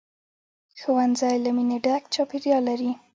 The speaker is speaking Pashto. ښوونځی له مینې ډک چاپېریال لري